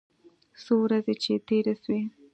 څو ورځې چې تېرې سوې.